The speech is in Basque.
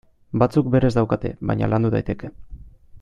Batzuk berez daukate, baina landu daiteke.